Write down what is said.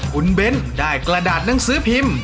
คุณเบ้นได้กระดาษหนังสือพิมพ์